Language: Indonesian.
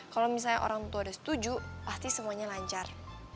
kalau misalnya orang tua udah setuju pasti semuanya lancar